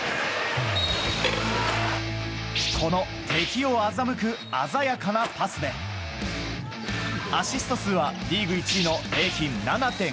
この敵を欺く鮮やかなパスでアシスト数はリーグ１位の平均７．５。